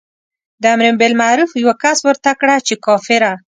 د امر بالمعروف یوه کس ورته کړه چې کافره.